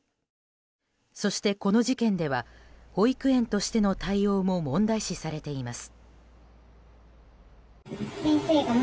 そして、この事件では保育園としての対応も問題視されています。